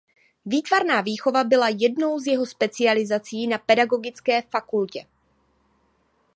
Výtvarná výchova byla jednou z jeho specializací na Pedagogické fakultě.